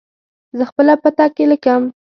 زه خپله پته لیکم.